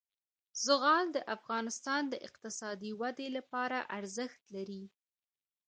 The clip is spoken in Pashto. زغال د افغانستان د اقتصادي ودې لپاره ارزښت لري.